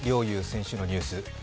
侑選手のニュース。